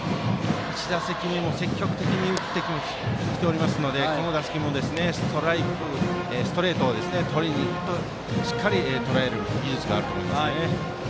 １打席目も積極的に打ってきておりますのでこの打席もストレートを狙ってしっかりとらえる技術があると思います。